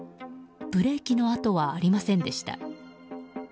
ブレーキの跡はありませんでした。